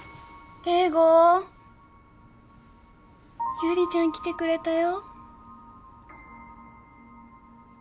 優里ちゃん来てくれたよ。